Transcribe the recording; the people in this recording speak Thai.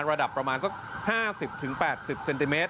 ระดับประมาณสัก๕๐๘๐เซนติเมตร